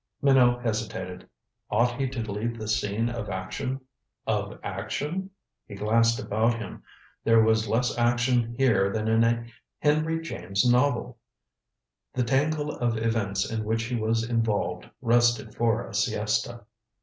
Minot hesitated. Ought he to leave the scene of action? Of action? He glanced about him. There was less action here than in a Henry James novel. The tangle of events in which he was involved rested for a siesta.